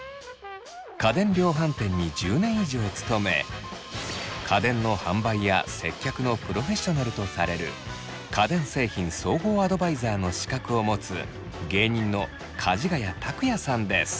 家電量販店に１０年以上勤め家電の販売や接客のプロフェッショナルとされる家電製品総合アドバイザーの資格を持つ芸人のかじがや卓哉さんです。